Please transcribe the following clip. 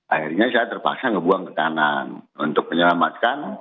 akhirnya saya terpaksa ngebuang ke kanan untuk menyelamatkan